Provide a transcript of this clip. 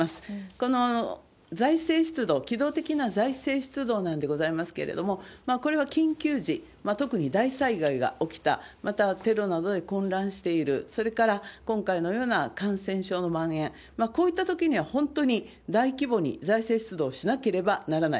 この財政出動、機動的な財政出動なんでございますけれども、これは緊急時、特に大災害が起きた、またテロなどで混乱している、それから今回のような感染症のまん延、こういったときには本当に大規模に財政出動しなければならない。